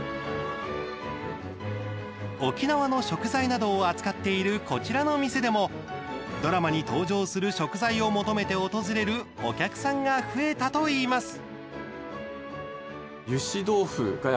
沖縄の食材などを扱っているこちらの店でもドラマに登場する食材を求めて訪れるお客さんが増えたといいます。